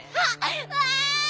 わい！